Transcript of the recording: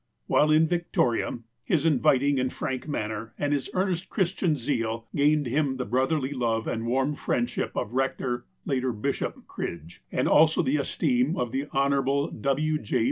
While in Victoria, his inviting and frank manner and his earnest Christian zeal gained him the brotherly love and warm friendship of Eector (later Bishop j Cridge, and also the esteem of the Hon. W. J.